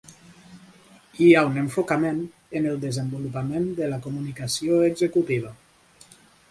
Hi ha un enfocament en el desenvolupament de la comunicació executiva.